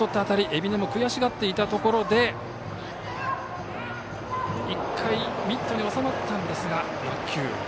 海老根も悔しがっていたところで１回ミットに収まったんですが落球。